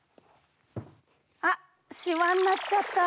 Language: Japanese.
あっ。